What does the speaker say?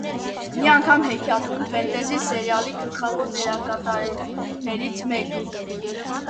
«Մի անգամ հեքիաթում» ֆենտեզի սերիալի գլխավոր դերակատարներից մեկն է։